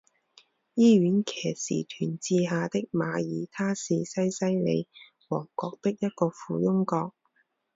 医院骑士团治下的马耳他是西西里王国的一个附庸国。